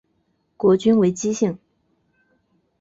国君为姬姓。